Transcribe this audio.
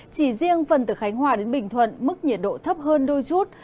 chỉ riêng phần từ khánh hòa đến bình thuận mức nhiệt độ thấp hơn đôi chút